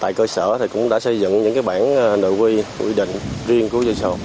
tại cơ sở thì cũng đã xây dựng những bản nội quy định riêng của resort